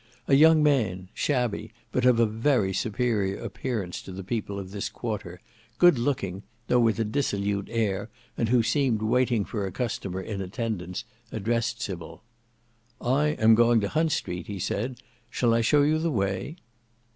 A young man, shabby, but of a very superior appearance to the people of this quarter, good looking, though with a dissolute air, and who seemed waiting for a customer in attendance, addressed Sybil. "I am going to Hunt Street," he said, "shall I show you the way?"